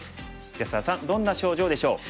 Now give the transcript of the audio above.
安田さんどんな症状でしょう。